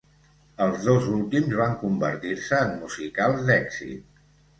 Els dos últims van convertir-se en musicals d'èxit.